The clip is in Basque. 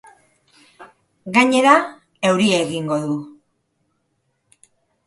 Gainera, euria egingo du.